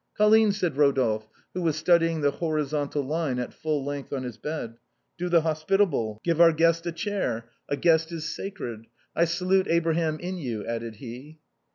" Colline !" said Rodolphe, who was studying the hori zontal line at full length on his bed, " do the hospitable. Give our guest a chair: a guest is sacred. I salute Abraham in you," added he.